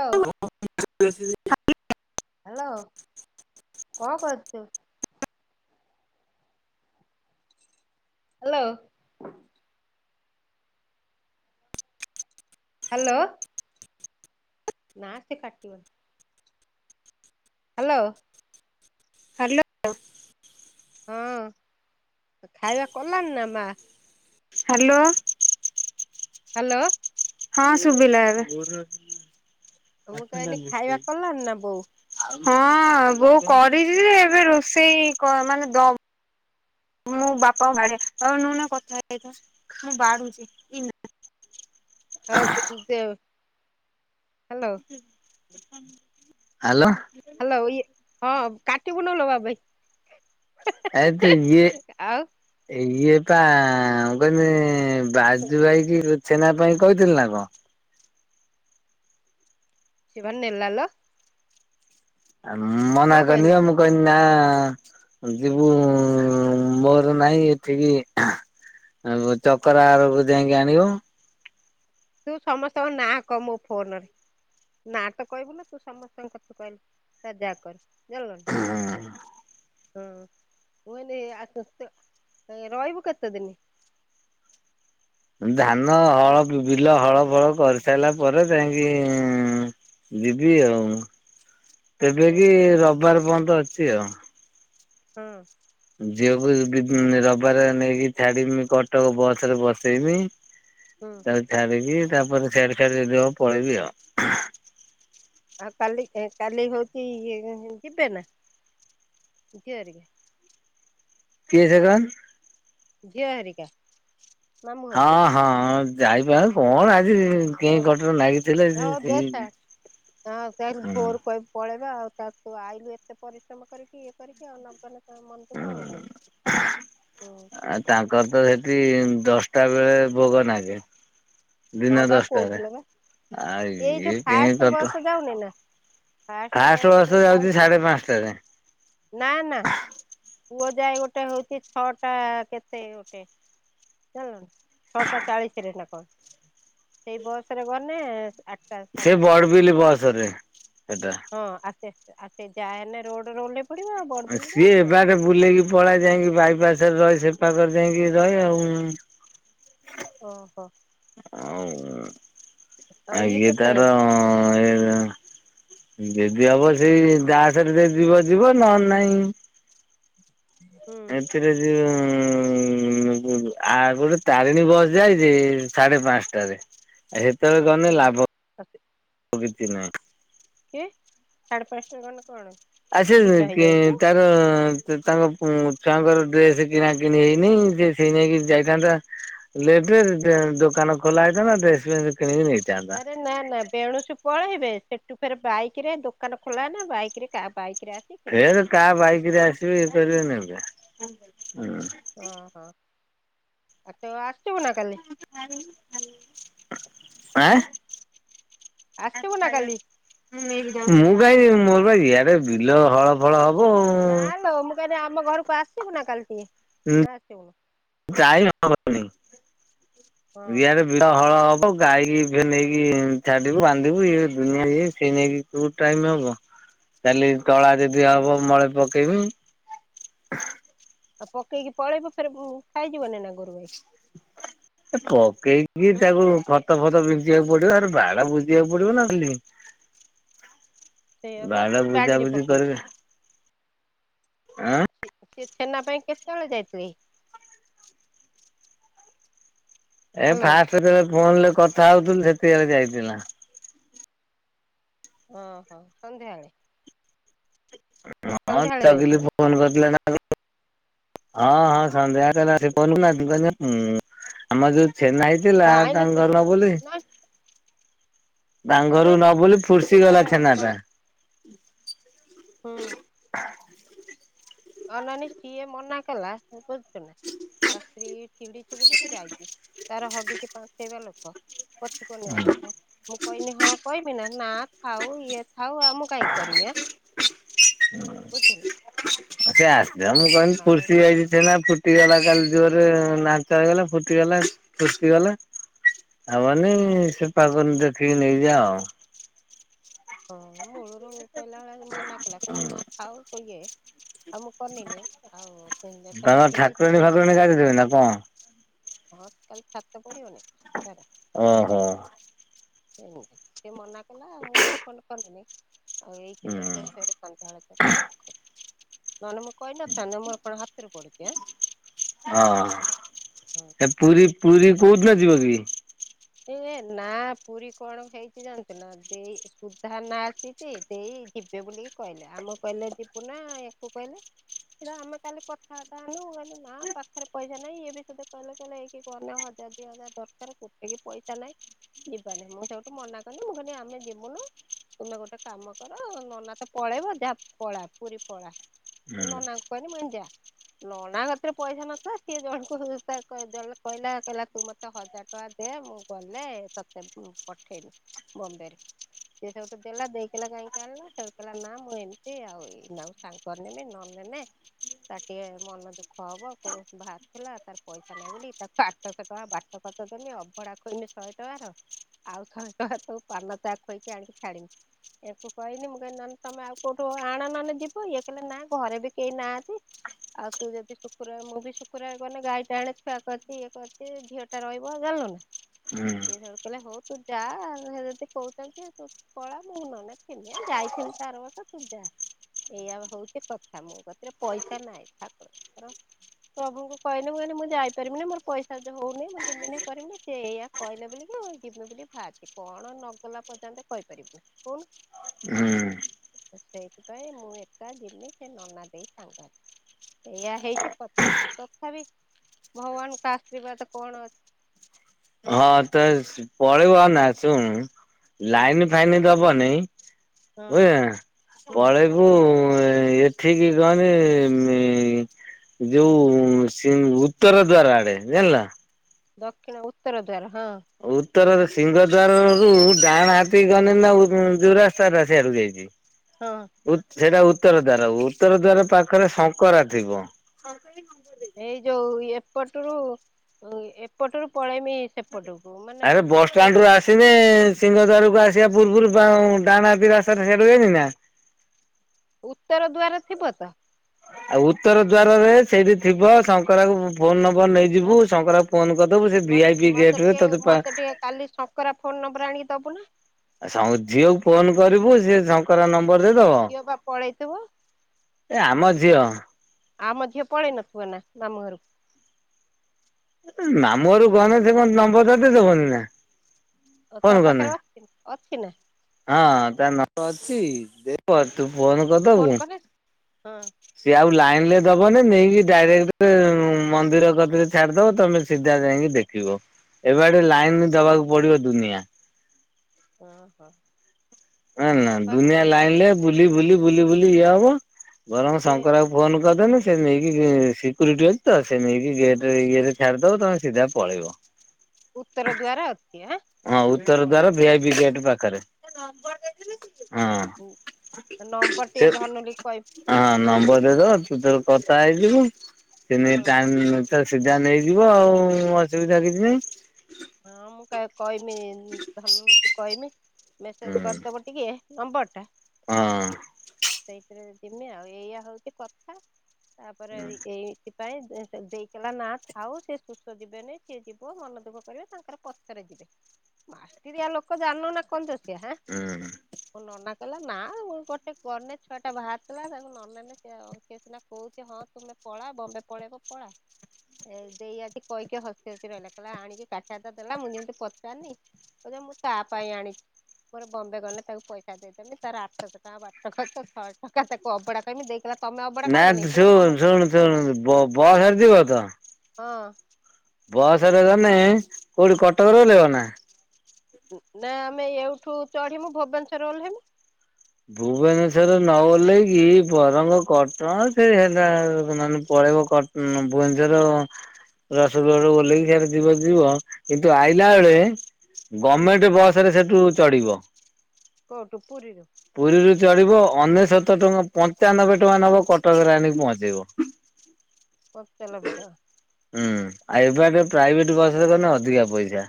ହଉ ହ୍ୟାଲୋ କଣ କରଛୁ? ହ୍ୟାଲୋ। ହ୍ୟାଲୋ। ନାସେ କାଟିିବ ହ୍ୟାଲୋ ହ୍ୟାଲୋ ହଁ ଖାଇବା କଲଣି ନା ମା? ହ୍ୟାଲୋ ହ୍ୟାଲୋ ହଁ ଶୁଭିଲା ଏବେ। ମୁଁ କହିଲି ଖାଇବା କଲଣି ନା ବୋଉ। ହଁ ବୋଉ କରିଛି ଯେ ଏବେ ରୋଷେଇ ମାନେ ଦ ମୁଁ ବାପାଙ୍କୁ ବାଢେ ତମେ ନୁଉନ କଥା ହେଇଥା ମୁଁ ବାଢୁଛି ଇ ନେ। ହଉ ଦେ ହ୍ୟାଲୋ। ହ୍ୟାଲୋ ହ୍ୟାଲୋ ଇଏ ହଁ କାଟିବୁ ନଉଲ ବାବ ଭାଇ। ଏତେ ଇଏ ଆଉ ଇଏ ପା କହିଲି ବାଜୁ ଭାଇ କି ଛେନା ପାଇଁ କହିଥିଲି ନା କଣ? ସିଏବା ନେଲାଲୋ। ମନା କଣ କହିଲା କନିବା କହିଲି ନା ଯିବୁ ମୋର ନାହିଁ ଏଠିକି ଆଉ ଚକରା ଆରକୁ ଯାଇକି ଆଣିବୁ। ତୁ ସମସ୍ତଙ୍କ ନାଁ କ ମୋ ଫୋନରେ। ନାଁ ତ କହିବୁନି ନା ତୁ ସମସ୍ତଙ୍କ କଥା କହିଲୁ ତା ଯାହା କର, ଜାଣିଲୁ ନା। ହଁ ମୁଁ କହିନି ଆ, ତୁ ତୋ ରଇବୁ କେତେଦିନି? ଧାନ ହଁ ହଳ ବି-ବିଲ ହଳ ଫଳ କରି ସାଇଲା ପରେ ଯାଇକି ଇଁ, ଯିବି ଆଉ। ତେବେ ହଁ କି ହଁ ରବବାର ପନ୍ତ ଅଛି ଆଉ। ହଁ। ଝିଅକୁ ବି ରବାରେ ନେଇକି ଛାଡମି କଟକ ବସ୍ ରେ ବସେଇମି। ହ [inaudible] ହୁଁ। ତାକୁ ଛାଡ଼ିକି ତାପରେ ସିଆଡ଼େ ସଆଡ଼େ ଯଦି ହବ ପଳେଇବି ଆଉ। ଆଉ କାଲି ଏଁ କାଲି ହଉଚି ଇଏ [unintelligible] ଯିବେ ନା ଝିଅ ହେରିକା? କିଏ ସେ କନ୍? ଝିଅ ହେରିକା? ମାମୁଁ ଘରକୁ ହଁ, ହଁ ଯାଇପାରେ କଣ ଆଜି କେଁ ହଁ ବା କଟର ନାଗିଥିଲେ ଓ ହଉ ସେ ଦେଖା ଆଉ ସେ [unintelligible] ହୁଁ ଭୋରୁ କହିବୁ ପଳେଇବା ଆଉ ତା ତୁ ଆଇଲୁ ଏତେ ପରିଶ୍ରମ କରିକି ଇଏ କରିକି ଆଉ ନ ଗନେ ତା ମନଦୁଃଖ ହବନି। ତୋ ଆଉ ତାଙ୍କର ତ ସେଠି ଦଶଟା ବେଳେ ଭୋଗ ନାଗେ। ହଁ ଦିନ ବା ଦଶ ଟାରେ କହୁଥିଲେ ବା ଆଉ ଏଇ ଇଏ ଯୋଉ କଣି ଫାଷ୍ଟ ତାର ତ ବସ୍ ଯାଉନି ନା? ଫାଷ୍ଟ ବସ୍ ଯାଉଚି ସାଢେ ପାନ୍ସଟାରେ। ନା ନା ପୁଅ ଯାଏ ଗୋଟେ ହଉଛି ଛଅଟା କେତେ ଗୋଟେ। ଜାଣିଲୁ ନା? ଛଅଟା ଚାଳିଶ ରେ ନା କଣ। ସେଇ ବସ୍ ରେ ଗନେ ଆ ଟ ସେ ସାଢ଼େ ଆଟା ସେଟା ବଡବିଲ ବସ ପହଞ୍ଚେ, ରେ ସେଟା। ହଁ ଆସେ। ଆ, ସେ ଯା ହେନେ ରୋଡ୍ ର ଉହ୍ଲେ ଆଉ ସିଏ ଏ ବାଟେ ବୁଲେଇକି ପଳା ଯାଇକି ବାଇପାସ୍ ରେ ରହେ ସେପାଖରେ ଯାଇକି ରହେ ଆଉଁ। ଓହୋ। ଆଉ ଆଉ ଆ, ଇଏ କେତେବେଳେ ତାର ଯିବେ ଏ ଯଦି ହବ ସେଇ ଦାସ ରେ ଯଦି ଯିବ ଯିବ। ନହେନ ନାଇଁ ହୁଁ ଏଥିରେ ଯିବ ଅ, [unintelligible] ଆ ଗୁଟେ ତାରିଣୀ ବସ୍ ଚାଲଚି ସାଢେ ପାନ୍ସଟାରେ। ଏ ହେ [unintelligible] ଗନେ ହୁଁ ଲାଭ କିଛି ନାହିଁ। କି ସାଢ଼େ ପାନ୍ସ ଟାରେ ଗନେ କଣ ଦିନ ହେଇଯାଉଛୁ। ତ ତାର ସେ ତାଙ୍କ ଉଁ, ଛୁଆଙ୍କର ଡ୍ରେସ୍ କିଣା କିଣି ହେଇନି, ସେ ସେଇ ନାଇକି ଯାଇଥାନ୍ତା ଲେବେ ଡେ-ଦୋକାନ ଖୋଲା ହେଇଥାନ୍ତା, ଡ୍ରେସ୍ ବି ସେଠି କିଣିକି ନେଇ ଆରେ ନା ନା ବେଣୁସୁ ପଳେଇବେ, ସେଠୁ ଫେର୍ ବାଇକ୍ ରେ ଦୋକାନ ଖୋଲା ହେନେ ବାଇକ୍ ରେ କା ବାଇ ଫେର୍ କା ବାଇକ୍ ରେ ଆସିବେ ଇଏ କରିବେ ନେବେ। ଓ ହୋ, ଆ, ତୁ ଆସିବୁ ନା କାଲି? ଆଁ, ହଁ ଆସିବୁ ନା କାଲି ମୁଁ କାଇଁ ଯିବି ମୋର ପରା ଇଆଡ ବିଲ ହଳ ଫଳ ହବ। ନା ଆଉ। ଲୋ ମୁଁ କହିନି ଆମ ଘରକୁ ଆସିବୁ ନା କାଲି ଟିକେ ନା ଆସିବୁନି? ଯାଇ ହବନି। ହଁ ହଁ ଇଆଡେ ବିଡ ହଳ ହବ ଗାଈକି ଫେର ନେଇକି ଛାଡିବୁ, ବାନ୍ଧିବୁ, ଇଏ ଦୁନିଆ ଇଏ, ସିଏ ନେଇକି ତୁ ଟାଇମ୍ ହବ, କାଲି ତଳା ଯଦି ହବ ହୁଁ ମଳେ ପକେଇମି। ଆଉ ପକେଇକି ପଳେଇବୁ ଫେର ବୁ- ଖାଇ ଯିବନି ନା ଗୋରୁଗାଈ। ଏ ପକେଇକି ହୁଁ ତାକୁ ଖତ ଫତ ବିଞ୍ଚିବାକୁ ପଡିବ। ଆହୁରି ବାଡ ବୁଜିବାକୁ ପଡିବ ନା ଖାଲି। ସେଇଆ ବା ବାଡ ସେଇ ବାଡିରେ ବୁଜାବୁଜି ପକେଇବୁ କରିବା ଆ, ସି-ସିଏ ଛେନା ପାଇଁ କେତେବେଳେ ଯାଇଥିବେ? ଏ ହ୍ୟାଲୋ ଫାଷ୍ଟ ରେ ଫୋନରେ କଥା ହଉଥିଲି ସେତିକେଳେ ଯାଇଥିଲା। ଓ ହୋ ସନ୍ଧ୍ୟାବେଳେ। ହଁ ସନ୍ଧ୍ୟାବେଳେ ଚଗିଲି ଯାଇଥିଲା ଫୋନ୍ କରିଥିଲ। ନା [unintelligible] ହଁ ହଁ ସନ୍ଧ୍ୟା ରେ ସେ କରୁନାହାନ୍ତି କହିଲ ଆମର ଯୋଉ ଛେନ୍ନାହେଇ ଥିଲା ଆଇଲେ [unintelligible] ନାନୀ ତା ଙ୍କଘରୁ ଅନାନୀ ନ ବୁଲି ସେ ଫୁର୍ସି ତାର ଗଲା ଛେନା କଣ ଟା। ହୁଁ। ହ ଅନାନି ସିଏ ମନା କଲା ବୁଝଚୁ ନା। ତା ସ୍ତ୍ରୀ ଚିଡିଚି ବୁଲିକି ଯାଇଚି ତାର ହଗିକି ପାଞ୍ଚ ହେବା ଲୋକ। ପଛ କୁ ଅନେଇଆ କଥା ମୁଁ କହନି ହଁ କହିବି ନା ନା ଖଥାାଉ ଇଏ ଥାଉ ଆ ମୁଁ କାହିଁକି କରିମି ଆ ବୁଝିଲ। ସେ ଆସ ମୁଁ କ ଆଉ ଫୁର୍ସି ଯାଇଚି ଛେନା ଫୁର ଫୁଟିଗଲା କାଲି ଜୋରରେ ନାଚ ହେଗଲା ଫୁଟିଗଲା ଫୁଟିଗଲା। ଆ ବନି ହୁଁ ସେ ପାଖରୁ ଦେଖିକି ନେଇଯାଅ ଆଉ। ହଁ ମୂଳରୁ କହିଲା ବେଳେ ମନା କିଲା କଲା ନାଆ ଥାଉ କଇଲା ଏ ଆଉ ମୁଁ କନିନି ଆଉ ଜେତେଳେ ତାଙ୍କର ଚିଡିଚି ଠାକୁରାଣୀ ଫାକୁରାଣୀ ସେଟୁ ଗାଧେଇଥିବେ ନା କଣ? ହଁ କାଲି ଛାତ ପଡିବନି ସାରେ। ଓହୋ। ସେଏ ମନା କଲା ମୁଁ ଆଉ ଫୋନ କନିନେଇ ଏଇ ହୁଁ ଦେଖିଲା ଫେରେ ସଧ୍ୟାଳେ ପଖ ନହେଲେ ମୁଁ କହିନଥାନ୍ତେ ମୋର କଣ ହାତରୁ ପଡୁଚି ଆଁ। ହଁ ହଁ ଏ ପୁରୀ ପୁରୀ କୋଉଦିନ ଯିବ କି। ଏ ନା ପୁରୀ କଣ ହେଇଛି ଜାଣିଚୁନା ଦେଇ ସୁଧା ନା ଆସିଛି ଦେଇ ଯିବେ ବୋଲିକି କହିଲେ ଆମ କହିଲେ ଯିବୁ ନା ୟାକୁ କହିଲେ। ରେ ଆମେ କାଲି କଥାବାର୍ତା ହେନୁ କହିନୁ ନା ପାଖରେ ପଇସା ନାହିଁ ଏ ବି ସଧେ କହିଲେ ଏଇକି କନ ହଜାର ଦି ହଜାର ଦରକାର ଗୋଟେ କି ପଇସା ନହିଁ। ଯିବାନି ମୁଁ ସେଉଠୁ ମନା କଲିି ମୁଁ କହିନି ଆମେ ଯିବୁନୁ। ତୁମେ ଗୋଟେ କାମ କର ନନା ତ ପଳେଇବ ଯା ପଳା ପୁରୀ ପଳା। ତୋ ହୁଁ। ନନାଙ୍କୁ କହିନି ମୁଁ ଯା ଲଣା କେତରେ ପଇସା ନଥିଲା ସିଏ ଜଣଙ୍କୁ ତା କହିଲା ଦ କହିଲା ତୁ ମତେ ହଜାର ଟଙ୍କା ଦେ ମୁଁ ଗଲେ ତତେ ପଠେଇମି ବମ୍ବେରୁ। ସିଏ ସେଇଠୁ ଦେଲା ଦେଇକଲା କାହିଁକି ଆଣିଲ ସେଠୁ କ ନା ମୁଁ ଏମ୍ତି ଆଉ ଏଇ ତାଙ୍କର୍ ନେମି ନ ନେନେ ତା ଟିକେ ମନ ଦୁଃଖ ହବ କୋ ବାହାର ଥିଲା ତାର ପଇସା ନାହିଁ ବୋଲି ତା ଆଠଶହ ଟଙ୍କା ବା ଟ ଖର୍ଚ୍ଚ ଦେମି ଆଉ। କଡା ଖୋଇମି ଶହେ ଟଙ୍କାର ଆଉ ଶହେ ଟଙ୍କା ସବୁ ପାନ ଚା ଖୋଇକି ଆଣିକି ଛାଡମି। ୟାକୁ କହିନି ମୁଁ କହିନି ନହଲେ ତମେ ଆଉ କୋଉଠୁ ଆଣ ନହେଲେ ଯିବ ଇଏ କହିଲେ ନା ଘରେ ବି କେହି ନାଆନ୍ତି। ଆଉ ତୁ ଯଦି ଶୁକ୍ରବାର ମୁଁ ବି ଶୁକ୍ରବାର ଗନେ ଗାଈଟା ଏଣେ ଛୁଆ କରିଛି ଇଏ କରିଛି ଝିଅଟା ରହିବ ଜାଣିଲୁ ନା। ହୁଁ ଇଏ ସିଆଡୁ କହିଲେ ହଉ ତୁ ଯା ସେ ଯଦି କହୁଛନ୍ତି। ପଳା ମୁଁ ନହେନେ ଥିମି ଯାଇଥିନି ତ ଆର ବର୍ଷ ତୁ ଯା। ଏଇଆା ହଉଛି କଥା ମୋ କତିରେ ପଇସା ନାହିଁ ଠାକୁରଙ୍କର ପ୍ରଭୁଙ୍କୁ କହିନି ମୁଁ କହିନି ମୁଁ ଯାଇପାରିବିନି ମୋର ପଇସା ଯଉ ହଉନି ମୁଁ ଯିମି ନି କରିମିନି। ସେ ଏଇଆ କହିଲେ ବୋଲି କି ଯିମି ବୋଲି ବାହାରିଛି କଣ ନଗଲା ପର୍ଯ୍ୟନ୍ତ କହିପାରିବିନି କହୁନୁ। ହୁଁ। ସେଇଥିପାଇଁ ମୁଁ ଏକା ଯିମି ସେ ନନା ଦେଇ ସାଙ୍ଗରେ। ଏଇଆ ହେଇଛି କଥା ତଥାପି ଭଗବାନଙ୍କ ଆଶୀର୍ବାଦ କଣ ଅ ହଁ ତ ପଳେଇବନା ଶୁଣ ହୁଁ ଲାଇନି ଫାଇନି ଦବନି। ହଁ ବୁଝିଲୁ ନା ହୁଁ ପଳେଇବୁ ଏଠିକି କହନି ମି ଯୋଉ ସିଂ ଉତ୍ତର ଦ୍ଵାର ଆଡେ ଜାଣଲ। ଦକ୍ଷିଣ ଉତ୍ତର ଦ୍ଵାର ହଁ। ଉତ୍ତରର ସିଂହଦ୍ବାରରୁ ଡାହାଣ ହାତୀ ଗନେ ନା ଉ ଯୋଉ ରାସ୍ତାରା ସିଆଡକୁ ଯାଇ ଚି। ହଁ। ଉତ୍ ସେଟା ଉତ୍ତର ଦ୍ଵାର ଉତ୍ତର ଦ୍ଵାର ପାଖରେ ଶଙ୍କରା ଥିବ। ଶଙ୍କରା ଏଇ ମଙ୍ଗଳରେ ଏଇ ଯୋଉ ଏପଟରୁ ଓ ଏପଟରୁ ପଳେଇମି ସେ ପଟକୁ ମାନେ ସିଂ ସିନେ ସିଂହଦ୍ୱାରକୁ ଆସିବା ପୂର୍ବରୁ ପା ଡାହାଣ ହାତୀ ରାସ୍ତାଟା ସିଆଡୁକୁ ଯାଇନି ନା? ଉତ୍ତର ଦ୍ଵାର ଥିବ ତ? ଆଉ ଉତ୍ତର ଦ୍ଵାରରେ ସେଇଠି ଥିବ ଶଙ୍କରାକୁ ମୁଁ ଫୋନ ନମ୍ବର ନେଇ ଯି ଯିବୁ ଶଙ୍କରାକୁ ଫୋନ କରିଦୋବୁ ସିଏ ଭି ଆଇ ପି ମତେ ଗେଟରେ ଟିକେ ତତେ ପା ମତେ ଟିକେ କାଲି ଶଙ୍କରା ଫୋନ ନମ୍ବର ଆଣିକି ଦୋବୁ ନା? ଆ ସାଉଁ ଝିଅକୁ ଫୋନ କରିବୁ ସିଏ ଶଙ୍କରା ନମ୍ବର ଦେଇଦବ ଝିଅ ବା ପଳେଇଥିବ ଏ ଆମ ଝିଅ। ଆ ଆମ ଝିଅ ପଳେଇ ନଥିବ ନା ମାମୁଁ ଘରକୁ। ଉଁ ମାମୁଁ ଘରକୁ ଗନେ ସେ କଣ ନମ୍ବରଟା ଦେଇଦବନି ନା। ଓ ଫୋନ ତା କନେ ପାଖରେ ଅଛି ଅଛି ନା? ହଁ ତା ନମ୍ବର ଅଛି ଦେବ ତୁ ଫୋନ ଫୋନ କରିଦୋବୁ କଲେ ହଁ ସିଏ ଆଉ ଲାଇନରେ ଦବନେଇ ନେଇକି ଡାଇରେକ୍ଟେ ମନ୍ଦିର କତିରେ ଛାଡିଦବ ତମେ ସିଧା ଯାଇକି ଦେ ଖିବ ଏବାଟେ ଲାଇନି ଦବାକୁ ପଡିବ ଦୁନିଆ। ଓହ। ଏନା ଦୁନିଆ ଲାଇନରେ ହଉଛି ବୁଲି ବୁଲି ବୁଲି ବୁଲି ଇଏ ହବ ବରଂ ସେ ଶଙ୍କରାକୁ ଫୋନ କରିଦେମି ସିଏ ନେଇକି ଗେ ସିକ୍ୟୁରିଟି ଅଛି ତ ସେ ନେଇକି ଗେଟ ଇଏରେ ଛାଡ଼ିଦବ ତମେ ସିଧା ପଳେଇବ। ଉତ୍ତର ଦ୍ବାର ଅଛି ଆଁ। ହଁ ଉତ୍ତର ଦ୍ଵାର ଭି ଆଇ ପି ଗେଟ ପାଖରେ ଆଁ ହଁ। ନମ୍ବର ଟିକେ ସେ ଧନୁଲି କହି ଅହଁ ନମ୍ବର ମେସେଜ ଦେଇଦେବ ତୁ ତୋର କଥା ହେଇଯିବୁ ସେ ହଁ ନେଇ ଟାଇମ୍ ତାର ସିଧା ନେଇଯିବ ଆଉ ଅସୁବିଧା କିଛି ନାଇଁ। ହଁ ମୁଁ କା କହିମି ଧନୁଲୁକୁ କହିମି ହୁଁ ମେସେଜ କରିଦବ ଟିକିଏ ନମ୍ବରଟା ହଁ। ସେଇଥିରେ ଯିମି ଆଉ ଏଇଆ ହୋଉଚି କଥା ତାପରେ ହୁଁ ଏଇ ସେଥିପାଇଁ ଯେ ସେ ଦେଇ କହିଲା ନା ଥାଉ ସିଏ ସୁସ୍ଥ ଯିବେନେଇ ସିଏ ଯିବ ମନ ଦୁଃଖ କରିବେ ତାଙ୍କର ପଛରେ ଯିବେ ମାଷ୍ଟିରିଆ ଲୋକ ଜାଣନନା କଞ୍ଜୁସିଆ ହାଁ? ମୋ ନାନା କହିଲା ନା ମୁଁ ଗୋଟେ ଗନେ ଛୁଆଟା ଭାରୁଥୁଲା ତାକୁ ନ ନେନେ ସିଏ ଆଉ ସେ ସିନା କୋହୁଚି ହଁ ତୁମେ ପଳାଅ ବମ୍ବେ ପଳେଇବ ପଳା। ଏ ଦେଇ ଆଜି କହିକି ହସି ହସି ରହିଲା କିହିଲା ଆଣିକି କା ଲି ତ ଦେଲା ମୁଁ ଯେମିତି ପଚାରନି ମୁଁ ତା ପାଇଁ ଆଣିଚି। ମୋର ବମ୍ବେ ଗଲେ ତାକୁ ପଇସା ଦେଇଦେମି ତାର ଆଠଶ ଟଙ୍କା ବାଟ ଖର୍ଚ୍ଚ ଶହେ ଟଙ୍କା ତାକୁ ଅବଢା କଇମି ଦେଇ କହିଲା ତମେ ଅବଢା ନା ତୁ ଖାଇବନି କହିଲା ନା ଶୁଣ ମୁଁ ଶୁଣୁ ଶୁଣୁ ବ ବସରେ ଯିବ ତ? ହଁ। ବସରେ ଗନେ କୋଉଠି କଟକରେ ଓଲହେଇବ ନା? ଉଁ ନା ଆମେ ଏଉଠୁ ଛାଡ଼ିମୁ ଭୁବନେଶ୍ୱରରେ ଓହ୍ଲେଇମୁ। ଭୁବନେଶ୍ୱରରେ ନ ଓହ୍ଲେଇକି ବରଂ କଟ ହଁ ସେଇ ହେଲା ନହନେ ପଳେଇବ କଟ ଉଁ ଭୁବନେଶ୍ୱର ରସୁଲଗଡ଼ରୁ ଓହ୍ଲେଇକି ସିଆଡ଼େ ଯିବା ଯିବ କିନ୍ତୁ ଆଇଲା ବେଳେ ହୁଁ ଗମେଣ୍ଟ ବସରେ ସେଠୁ ଚଢିବ। କଉ ଠୁ ପୁରୀରୁ? ପୁରୀରୁ ଚଳିବ ଅନେଶତ ଟଙ୍କା ପଞ୍ଚାନବେ ଟଙ୍କା ନବ କଟକରେ ଆଣିକି ପହଞ୍ଚେଇବ। [inaudible] ପଞ୍ଚାନବେ ଟଙ୍କା? ହୁଁ ଏବାଟ ପ୍ରାଇଭେଟ ବସରେ ଗନେ ଅଧିକା ପଇସା।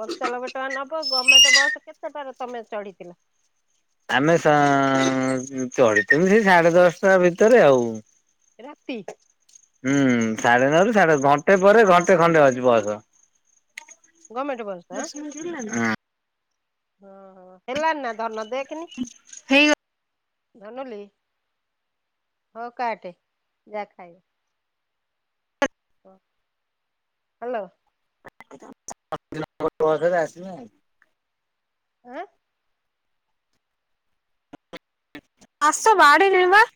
ପଞ୍ଚାନବେ ଟଙ୍କା ନବ ଗଭର୍ଣ୍ଣମେଣ୍ଟ ବସ୍ କେତେଟାରେ ତମେ ଚଢିଥିଲ? ଆମେ ସ-ଚଢିଥିଲୁ ସେ ସାଢେ ଦଶଟା ଭିତରେ ଆଉ। ରାତି? ହୁଁ ସାଢେ ନଅରୁ ସାଢେ ଘଣ୍ଟେ ପରେ ଘଣ୍ଟେ ଖଣ୍ଡେ ଅଛି ବସ। ଗଭର୍ଣ୍ଣମେଣ୍ଟ ବସ୍‌ ତ ହଁ? ଓହୋ ହେଲାନି ନା ଧନ ଦେଖ୍ କିନି ହେଇ ଧନୁଲି ହଉ କାଟେ ଯା ଖାଇବ। ବ। ହ୍ୟାଲୋ? [inaudible] ରେ ଆସିନି ଆଉ। ଉଁ? ଆସ ବାଢିଲିଣୀ ବା।